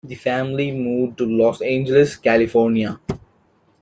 The family moved to Los Angeles, California.